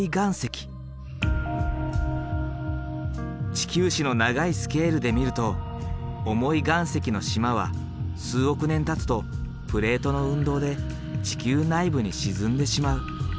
地球史の長いスケールで見ると重い岩石の島は数億年たつとプレートの運動で地球内部に沈んでしまう。